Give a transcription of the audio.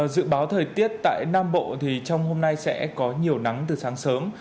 dự báo thời tiết tại nam bộ thì trong hôm nay sẽ có nhiều nắng từ sáng sớm